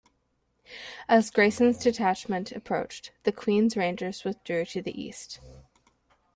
As Grayson's detachment approached, the Queen's Rangers withdrew to the east.